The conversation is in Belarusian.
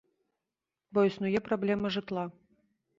Бо існуе праблема жытла.